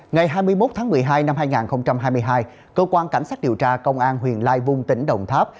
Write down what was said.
ngày hai mươi một tháng một mươi hai năm hai nghìn hai mươi hai cơ quan cảnh sát điều tra công an huyện lai vung tỉnh đồng tháp